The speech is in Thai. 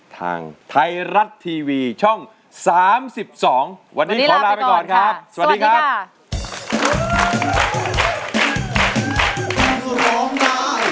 ทางไทยรัฐทีวีช่อง๓๒วันนี้ขอลาไปก่อนครับสวัสดีครับ